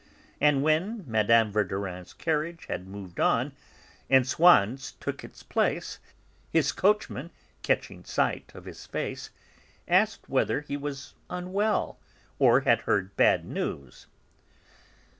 And when Mme. Verdurin's carriage had moved on, and Swann's took its place, his coachman, catching sight of his face, asked whether he was unwell, or had heard bad news.